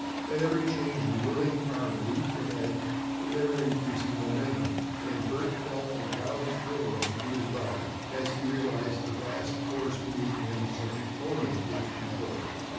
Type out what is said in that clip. At every change the willing car leaped ahead with ever increasing momentum, and Bert felt a wild thrill run through his body as he realized the vast force beneath him, subject only to his control.